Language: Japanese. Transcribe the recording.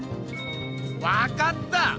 わかった！